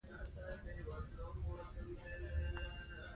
دی په تګ کې ستونزه لري.